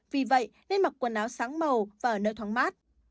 vì vậy nên mặc quần áo sáng màu và nơi thoáng mát